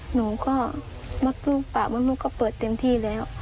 หนูก็มดลูกปากมดลูกก็เปิดเต็มที่แล้ว